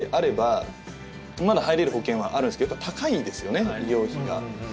６０代であればまだ入れる保険はあるんですけどやっぱり高いんですよね医療費が。